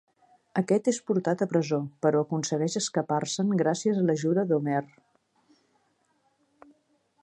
Aquest és portat a presó, però aconsegueix escapar-se'n gràcies a l'ajuda d'Homer.